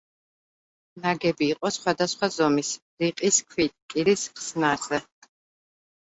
ნაგები იყო სხვადასხვა ზომის, რიყის ქვით კირის ხსნარზე.